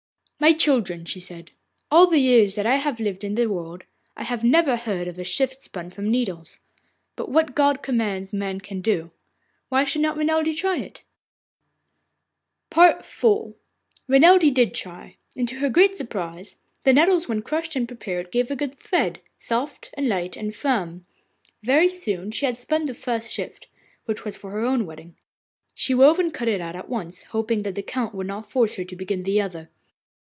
'My children,' she said, 'all the years that I have lived in the world, I have never heard of a shift spun from nettles. But what God commands, man can do. Why should not Renelde try it?' IV Renelde did try, and to her great surprise the nettles when crushed and prepared gave a good thread, soft and light and firm. Very soon she had spun the first shift, which was for her own wedding. She wove and cut it out at once, hoping that the Count would not force her to begin the other.